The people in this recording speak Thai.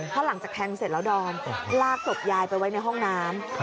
เพราะหลังจากแทงเสร็จแล้วดอมลากศพยายไปไว้ในห้องน้ำ